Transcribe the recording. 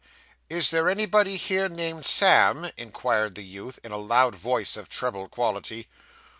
'Is there anybody here, named Sam?' inquired the youth, in a loud voice of treble quality.